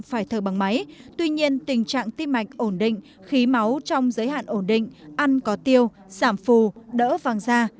phải thở bằng máy tuy nhiên tình trạng tim mạch ổn định khí máu trong giới hạn ổn định ăn có tiêu giảm phù đỡ vàng da